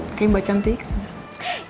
oke mbak cantik kesana